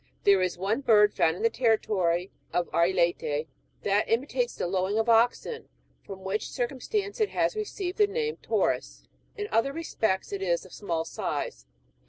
There is one bird, found in the territory of Arelate, that imitates the lowing of oxen, from which circumstance it has received the name of "taurus."^ In other respects it is of small size.